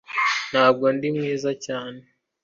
Ntabwo ndi mwiza cyane mu gutanga inama